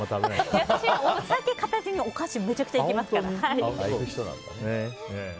私お酒片手にお菓子めちゃくちゃいきますから。